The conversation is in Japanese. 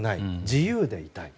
自由でいたい。